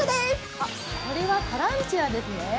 あっこれはタランチュラですね